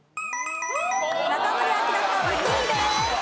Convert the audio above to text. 中森明菜さんは２位です。